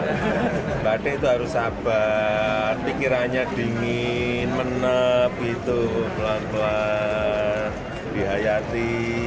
membatik itu harus sabar pikirannya dingin menep itu pelan pelan dihayati